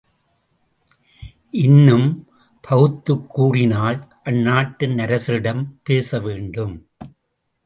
இன்னும் பகுத்துக் கூறினால், அந்நாட்டின் அரசரிடம் பேச வேண்டும்!